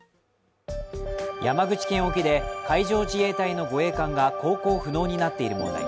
山口県沖で海上自衛隊の護衛艦が航行不能になっている問題。